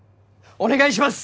お願いします！